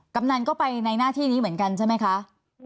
กำนันก็ไปในหน้าที่นี้เหมือนกันใช่ไหมคะ